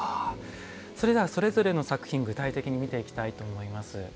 それでは、それぞれの作品具体的に見ていきたいと思います。